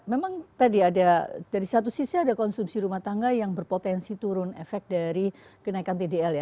memang tadi ada dari satu sisi ada konsumsi rumah tangga yang berpotensi turun efek dari kenaikan tdl ya